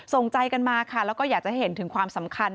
ส่งใจกันมาค่ะแล้วก็อยากจะเห็นถึงความสำคัญ